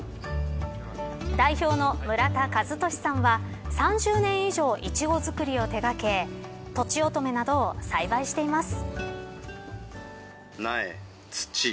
代表の村田和寿さんは３０年以上、イチゴ作りを手がけとちおとめなどを栽培しています。